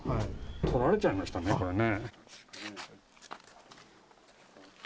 とられちゃいましたね、これね。